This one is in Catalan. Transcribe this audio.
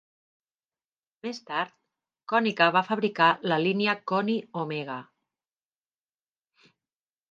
Més tard, Konica va fabricar la línia Koni Omega.